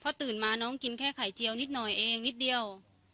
พอตื่นมาน้องกินแค่ไข่เจียวนิดหน่อยเองนิดเดียว